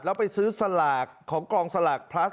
แล้วไปซื้อสลากของกองสลากพลัส